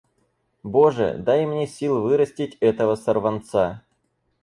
Боже, дай мне сил вырастить этого сорванца!